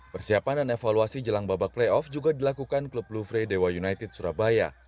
persiapan dan evaluasi jelang babak playoff juga dilakukan klub lufre dewa united surabaya